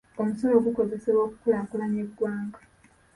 Omusolo gukozesebwa okukulaakulanya eggwanga.